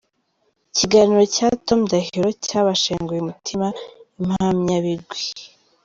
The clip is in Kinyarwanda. Ikiganiro cya Tom Ndahiro cyabashenguye umutima “Impamyabigwi”.